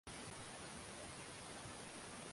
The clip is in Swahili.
ukimuliza mgodi huu unakusaidia nini